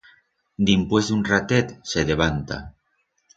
Dimpués d'un ratet, se devanta.